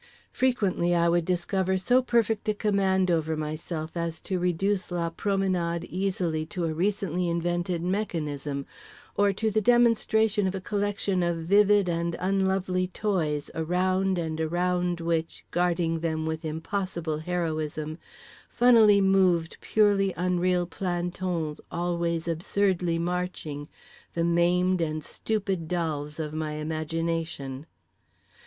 Frequently I would discover so perfect a command over myself as to reduce la promenade easily to a recently invented mechanism; or to the demonstration of a collection of vivid and unlovely toys around and around which, guarding them with impossible heroism, funnily moved purely unreal plantons always absurdly marching, the maimed and stupid dolls of my imagination.